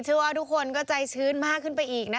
เชื่อว่าทุกคนก็ใจชื้นมากขึ้นไปอีกนะคะ